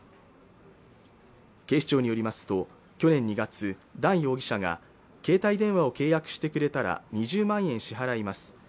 警視庁によりますと去年２月ダン容疑者が携帯電話を契約してくれたら２０万円支払います